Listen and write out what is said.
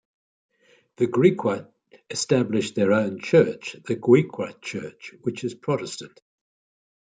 The Griqua established their own church, the Griqua Church, which is Protestant.